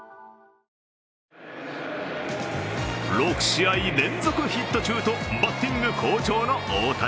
６試合連続ヒット中とバッティング好調の大谷。